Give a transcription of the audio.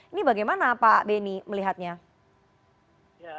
ini bagaimana pak benny melihatnya